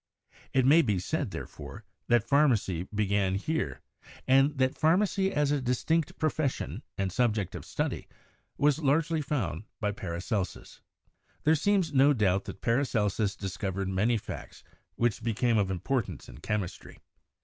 It may be said, therefore, that pharmacy began here, and 66 CHEMISTRY that pharmacy as a distinct profession and subject of study was largely founded by Paracelsus. There seems no doubt that Paracelsus discovered many facts which became of importance in chemistry.